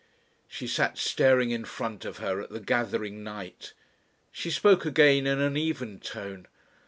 She sat staring in front of her at the gathering night. She spoke again in an even tone.